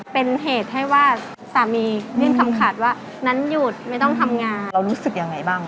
เป็นเหตุให้ว่าสามียื่นคำขาดว่านั้นหยุดไม่ต้องทำงานเรารู้สึกยังไงบ้าง